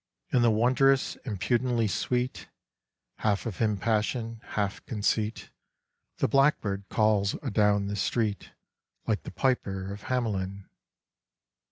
And wondrous, impudently sweet, Half of him passion, half conceit. The blackbird calls adown the street, Like the piper of Hamelin."